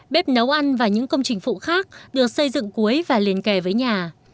bếp nấu ăn và những công trình phụ khác được xây dựng cuối và liền kề với nhà